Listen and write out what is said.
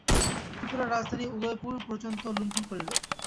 ত্রিপুরার রাজধানী উদয়পুর পর্যন্ত লুণ্ঠন করিল।